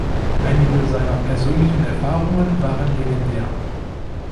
Einige seiner persönlichen Erfahrungen waren legendär.